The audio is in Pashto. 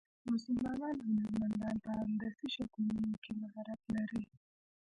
مسلمان هنرمندان په هندسي شکلونو کې مهارت لري.